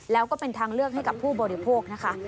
แล้วก็เป็นทางเลือกให้กับผู้บริโภคนะคะ